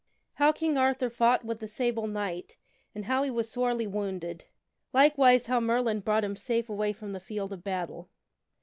How King Arthur Fought With the Sable Knight and How He Was Sorely Wounded. Likewise How Merlin Brought Him Safe Away From the Field of Battle.